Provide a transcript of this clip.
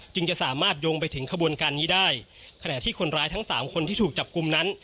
จะสามารถโยงไปถึงขบวนการนี้ได้ขณะที่คนร้ายทั้งสามคนที่ถูกจับกลุ่มนั้น